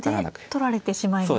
歩で取られてしまいますね